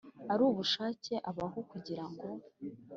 uri bushuke Ahabu kugira ngo